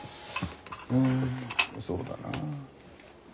うんそうだな。